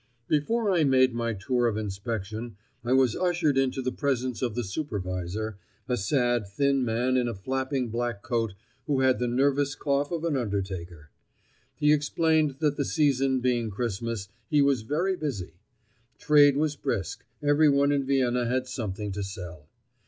Before I made my tour of inspection I was ushered into the presence of the supervisor—a sad, thin man in a flapping black coat who had the nervous cough of an undertaker. He explained that the season being Christmas he was very busy. Trade was brisk; everyone in Vienna had something to sell.